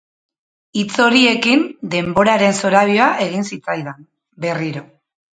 Hitz horiekin denboraren zorabioa egin zitzaidan, berriro.